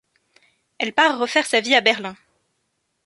Elle part refaire sa vie à Berlin.